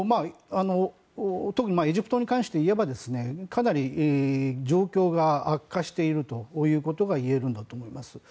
特にエジプトに関して言えばかなり状況が悪化しているということがいえるんだと思います。